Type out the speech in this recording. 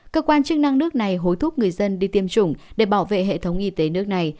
cơ quan chức năng nước này hối thúc người dân đi tiêm chủng để bảo vệ hệ thống y tế nước này